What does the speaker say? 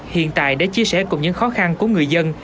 hiện tại để chia sẻ cùng những khó khăn của người dân